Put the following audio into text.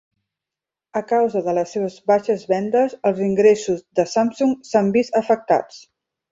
A causa de les seves baixes vendes els ingressos de Samsung s'han vist afectats.